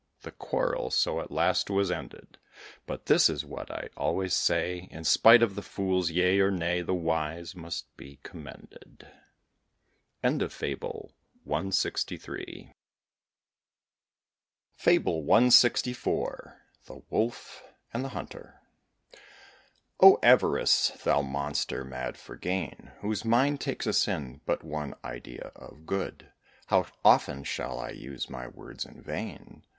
The quarrel so at last was ended; But this is what I always say: In spite of the fool's yea or nay, The wise must be commended. FABLE CLXIV. THE WOLF AND THE HUNTER. O Avarice! thou monster, mad for gain; Whose mind takes in but one idea of good! How often shall I use my words in vain?